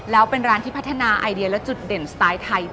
แล้วเป็นร้านที่พัฒนาไอเดียและจุดเด่นสไตล์ไทย